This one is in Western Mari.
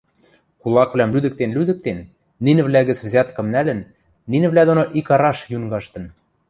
Кулаквлӓм лӱдӹктен-лӱдӹктен, нинӹвлӓ гӹц взяткым нӓлӹн, нинӹвлӓ доно икараш йӱн каштын.